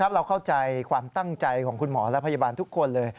เราเข้าใจความตั้งใจของคุณหมอและพยาบาลทุกคนเลย